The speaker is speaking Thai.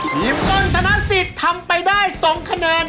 หิมต้นทนาศิษย์ทำไปได้๒คะแนน